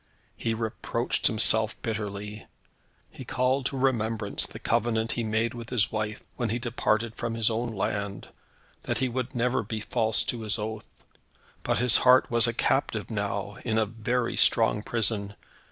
He reproached himself bitterly. He called to remembrance the covenant he made with his wife, when he departed from his own land, that he would never be false to his oath. But his heart was a captive now, in a very strong prison.